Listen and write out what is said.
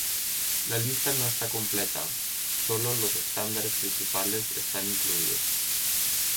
La lista no está completa; solo los estándares principales están incluidos.